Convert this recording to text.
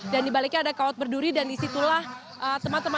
dan di baliknya ada kawat berduri dan di situlah teman teman